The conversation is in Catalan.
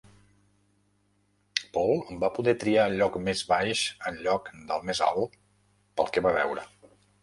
Paul va poder triar el lloc més baix en lloc del més alt, pel que va veure.